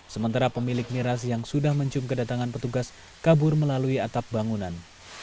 sementara pemilik miras yang sudah mencium kedatangan petugas kabur melalui atap bangunan